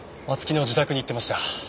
松木の自宅に行ってました。